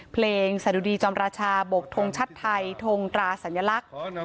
เพลงสะดุดีจอมราชาบกทงชัดไทยทงตราสัญลักษณ์